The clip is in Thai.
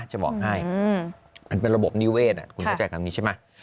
จะบอกให้มันเป็นระบบนิเวศคุณเข้าใจคำนี้ใช่ไหม